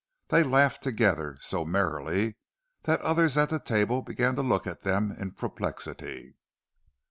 They laughed together, so merrily that others at the table began to look at them in perplexity.